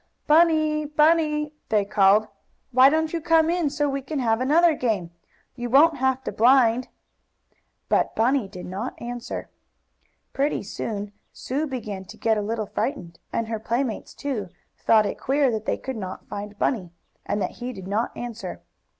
"Bunny! Bunny!" they called. "Why don't you come in, so we can have another game? You won't have to blind." But Bunny did not answer. Pretty soon Sue began to get a little frightened, and her playmates, too, thought it queer that they could not find Bunny, and that he did not answer.